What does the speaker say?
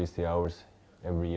saya sudah selesai dengan ini